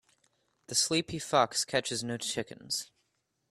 The sleepy fox catches no chickens.